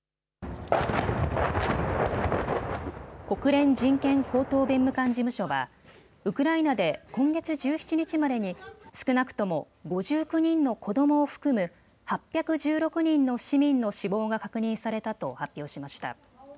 国連人権高等弁務官事務所はウクライナで今月１７日までに少なくとも５９人の子どもを含む８１６人の市民の死亡が確認されたと発表しました。